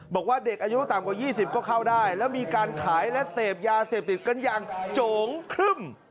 บอกว่าเด็กอายุต่ำกว่า๒๐ก็เข้าได้แล้วมีการขายและเสพยาเสพติดกันอย่างโจ๋งครึ่ม